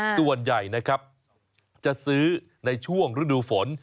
ส่วนใหญ่นะครับจะซื้อในช่วงฤดูฝน